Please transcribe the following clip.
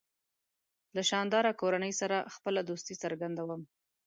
له شانداره کورنۍ سره خپله دوستي څرګندوم.